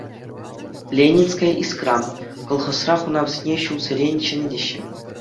«Ленинская искра» колхозра хунавсене ҫулсерен ҫӗнетеҫҫӗ.